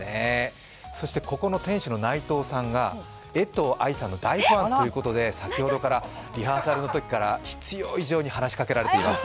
そしてここの店主の内藤さんが江藤愛さんの大ファンということで先ほどからリハーサルのときから必要以上に話しかけられています。